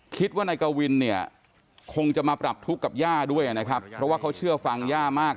คงจะมาปรับทุกข์กับย่าด้วยนะครับเพราะว่าเขาเชื่อฟังย่ามาก